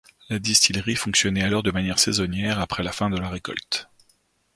La distillerie fonctionnait alors de manière saisonnière, après la fin de la récolte.